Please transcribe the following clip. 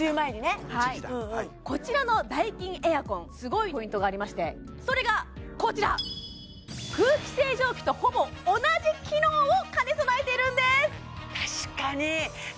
そうだこの時期だこちらのダイキンエアコンすごいポイントがありましてそれがこちら空気清浄機とほぼ同じ機能を兼ね備えているんです